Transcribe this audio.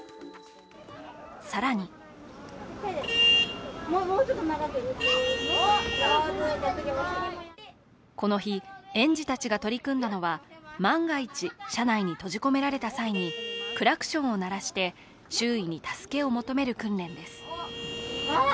更にこの日、園児たちが取り組んだのは万が一車内に取り残された際にクラクションを鳴らして周囲に助けを求める訓練です。